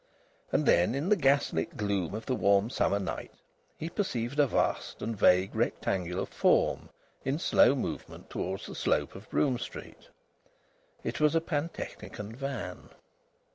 And then in the gas lit gloom of the warm summer night he perceived a vast and vague rectangular form in the slow movement towards the slope of Brougham Street. It was a pantechnicon van.